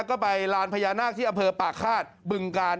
ก็ไปร้านพญานาคที่อเภอปรากฏบึงการ